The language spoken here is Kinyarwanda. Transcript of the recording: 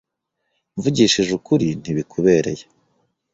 Mvugishije ukuri, ntibikubereye.